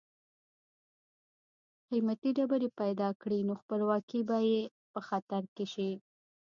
قیمتي ډبرې پیدا کړي نو خپلواکي به یې په خطر کې شي.